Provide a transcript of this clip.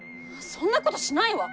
そんなことしないわ！